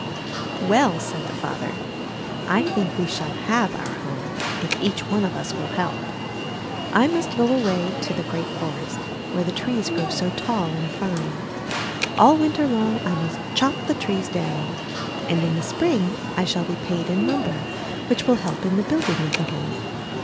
''Well," said the father, "I think we shall have our home if each one of us will help. I must go away to the great forest, where the trees grow so tall and fine. All Winter long I must chop the trees down, and in the Spring I shall be paid in lumber, which will help in the building of the home.